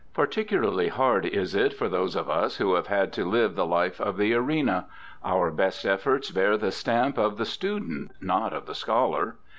Par ticularly hard is it for those of us who have had to live the life of the arena : our best efforts bear the stamp of the student, not of the scholar.